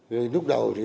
thì lúc đầu thì